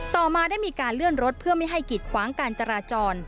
ต่อมาได้มีการเลื่อนรถเพื่อไม่ให้กิดขวางการจราจร